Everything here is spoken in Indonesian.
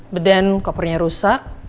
but then kopernya rusak